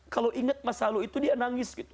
kalau inget masa lalu itu dia nangis